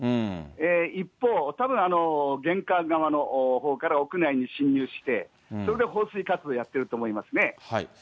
一方、たぶん玄関側のほうから屋内に進入して、それで放水活動やってると思いますね。